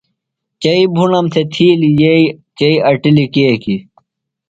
چئی بُھڑم تھےۡ تِھیلیۡ یئ ، چئی اٹِلیۡ کیکیۡ